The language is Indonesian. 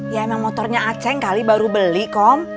ya emang motornya aceng kali baru beli kom